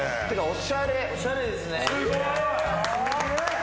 おしゃれですね。